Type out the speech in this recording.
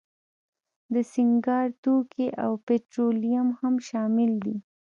د سینګار توکي او پټرولیم هم شامل دي.